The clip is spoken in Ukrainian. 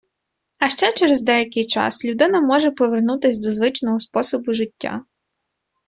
А ще через деякий час людина може повернутися до звичного способу життя.